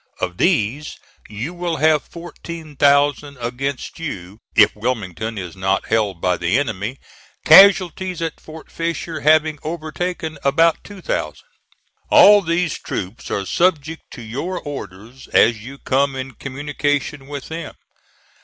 Of these, you will have fourteen thousand against you, if Wilmington is not held by the enemy, casualties at Fort Fisher having overtaken about two thousand. All these troops are subject to your orders as you come in communication with them.